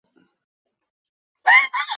比朗人口变化图示